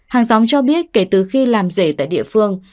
hàng xóm cho biết kể từ khi làm rể tại địa phương